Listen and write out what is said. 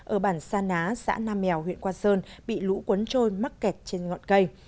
ở bản sa ná xã nam mèo huyện quang sơn bị lũ cuốn trôi mắc kẹt trên ngọn cây